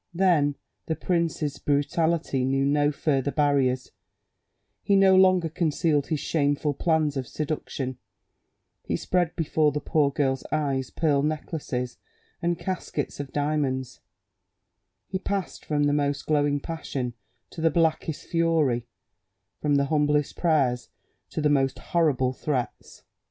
Then the prince's brutality knew no further barriers; he no longer concealed his shameful plans of seduction; he spread before the poor girl's eyes pearl necklaces and caskets of diamonds; he passed from the most glowing passion to the blackest fury, from the humblest prayers to the most horrible threats.